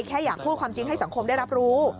แค่อยากพูดความจริงให้สังคมได้รับรู้